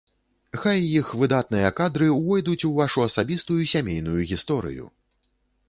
Хай іх выдатныя кадры увойдуць у вашу асабістую сямейную гісторыю!